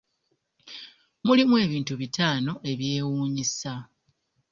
mulimu ebintu bitaano ebyewuunyisa.